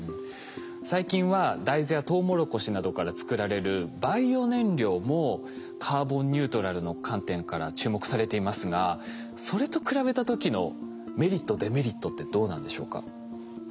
最近は大豆やトウモロコシなどから作られるバイオ燃料もカーボンニュートラルの観点から注目されていますがそれと比べた時のメリットデメリットってどうなんでしょうか？